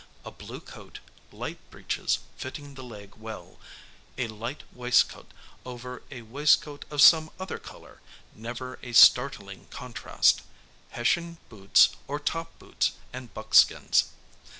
A blue coat, light breeches fitting the leg well, a light waistcoat over a waistcoat of some other colour, never a startling contrast, Hessian boots, or top boots and buckskins.